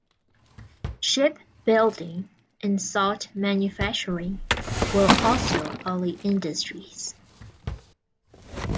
Ship building and salt manufacturing were also early industries.